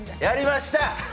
やりました！